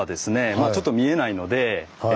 まあちょっと見えないのでああはい。